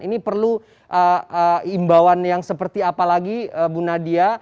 ini perlu imbauan yang seperti apa lagi bu nadia